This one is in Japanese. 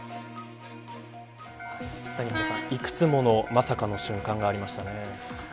谷原さん、いくつものまさかの瞬間がありましたね。